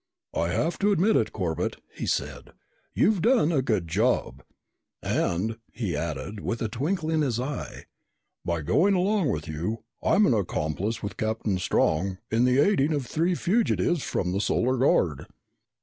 "I have to admit it, Corbett," he said. "You've done a good job. And," he added with a twinkle in his eye, "by going along with you, I am an accomplice with Captain Strong in the aiding of three fugitives from the Solar Guard."